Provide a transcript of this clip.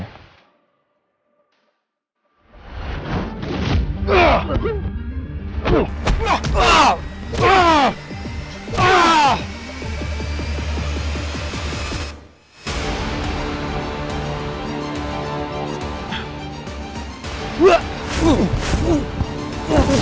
sampai musik terus muncul ya